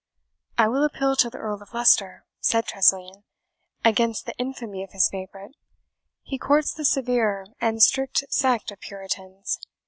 "I will appeal to the Earl of Leicester," said Tressilian, "against the infamy of his favourite. He courts the severe and strict sect of Puritans.